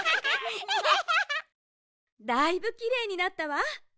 だいぶきれいになったわ。